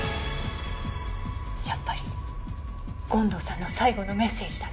やっぱり権藤さんの最後のメッセージだったの。